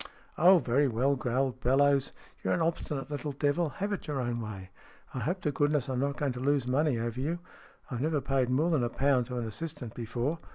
"Oh, very well," growled Bellowes. "You're an obstinate little devil. Have it your own way. I hope to goodness I'm not going to lose money over you. I've never paid more than a pound to an assistant before.